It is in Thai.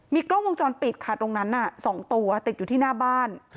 กล้องวงจรปิดค่ะตรงนั้น๒ตัวติดอยู่ที่หน้าบ้าน